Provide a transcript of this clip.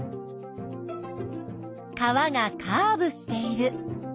川がカーブしている。